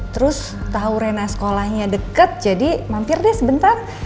terus tahu rena sekolahnya deket jadi mampir deh sebentar